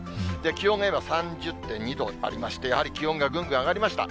気温が今３０．２度ありまして、やはり気温がぐんぐん上がりました。